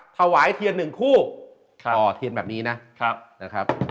ถวายเทียนหนึ่งคู่ต่อเทียนแบบนี้นะครับ